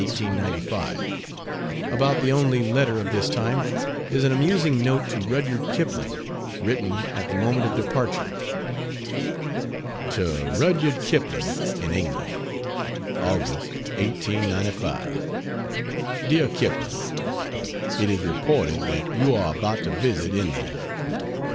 About the only letter of this time is an amusing note to Rudyard Kipling, written at the moment of departure. To Rudyard Kipling, in England: August, 1895. DEAR KIPLING, It is reported that you are about to visit India.